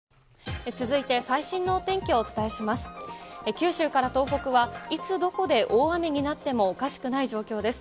九州から東北は、いつどこで大雨になってもおかしくない状況です。